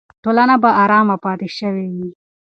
ټولنه به ارامه پاتې شوې وي.